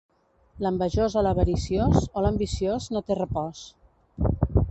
L'envejós o l'avariciós, o l'ambiciós no té repòs.